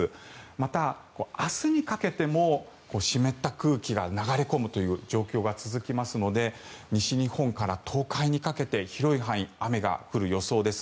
また、明日にかけても湿った空気が流れ込むという状況が続きますので西日本から東海にかけて広い範囲、雨が降る予想です。